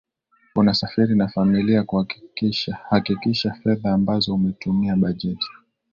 unasafiri na familia Hakikisha fedha ambazo umetumia bajeti